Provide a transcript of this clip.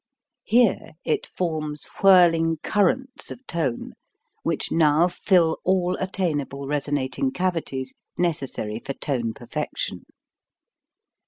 Here it forms whirling currents of tone, which now fill all attainable resonating cavities necessary for tone perfection.